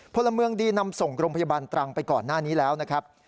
พลเมืองดีนำส่งโรงพยาบาลตรังไปก่อนหน้านี้แล้วนะครับ